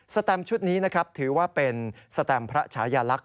สแตมชุดนี้ถือว่าเป็นสแตมพระชายลักษณ์